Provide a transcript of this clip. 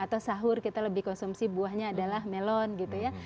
atau sahur kita lebih konsumsi buahnya adalah melon gitu ya